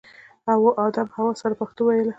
ادم حوا سره پښتو ویله